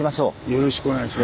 よろしくお願いします。